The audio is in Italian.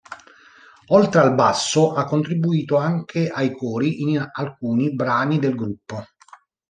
Oltre al basso, ha contribuito anche ai cori in alcuni brani del gruppo.